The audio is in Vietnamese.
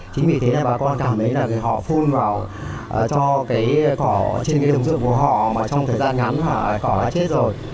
chính vì thế là bà con cảm thấy là họ phun vào cho cái cỏ trên cái đồng ruộng của họ mà trong thời gian ngắn hỏa cỏ đã chết hết rồi